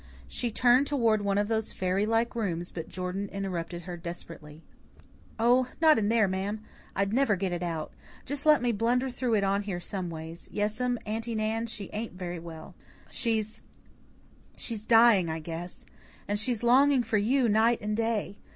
She turned toward one of those fairy like rooms, but Jordan interrupted her desperately. "Oh, not in there, ma'am. I'd never get it out. Just let me blunder through it out here someways. Yes'm, Aunty Nan, she ain't very well. She's she's dying, I guess. And she's longing for you night and day.